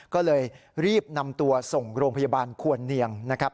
ก็เลยรีบนำตัวส่งโรงพยาบาลควรเนียงนะครับ